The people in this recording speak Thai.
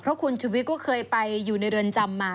เพราะคุณชุวิตก็เคยไปอยู่ในเรือนจำมา